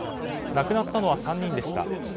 亡くなったのは３人でした。